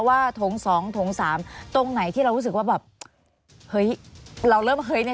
โถงสองถงสามตรงไหนที่เรารู้สึกว่าแบบเฮ้ยเราเริ่มเฮ้ยเนี่ย